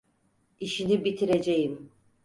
İşini bitireceğim!